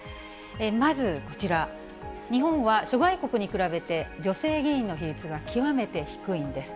まずこちら、日本は諸外国に比べて、女性議員の比率が極めて低いんです。